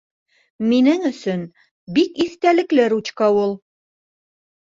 - Минең өсөн бик иҫтәлекле ручка ул.